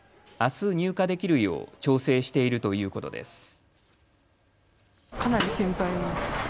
あす入荷できるよう調整しているということです。